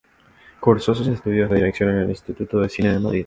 Cursó sus estudios de Dirección en el Instituto del Cine de Madrid.